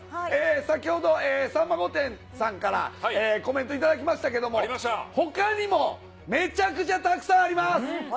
先ほどさんま御殿さんからコメント頂きましたけれども、ほかにもめちゃくちゃたくさんあります。